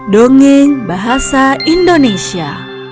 dongeng bahasa indonesia